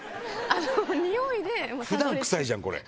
ふだん臭いじゃん、これ。